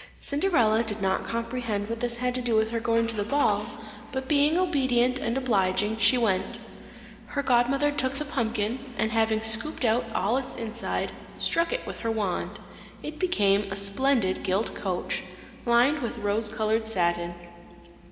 Cinderella did not comprehend what this had to do with her going to the ball, but being obedient and obliging, she went. Her godmother took the pumpkin, and having scooped out all its inside, struck it with her wand; it became a splendid gilt coach, lined with rose coloured satin.